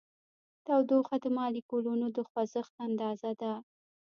تودوخه د مالیکولونو د خوځښت اندازه ده.